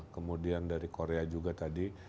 kemudian dari korea juga tadi